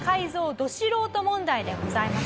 ど素人問題でございます。